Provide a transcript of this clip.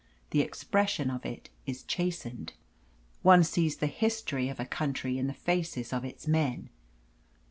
The expression of it is chastened. One sees the history of a country in the faces of its men.